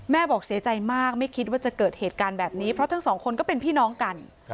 บอกเสียใจมากไม่คิดว่าจะเกิดเหตุการณ์แบบนี้เพราะทั้งสองคนก็เป็นพี่น้องกัน